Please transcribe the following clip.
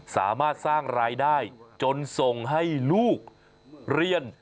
สามารถสร้างรายได้จนส่งให้ลูกเรียน